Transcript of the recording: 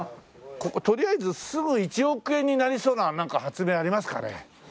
とりあえずすぐ１億円になりそうななんか発明ありますかね？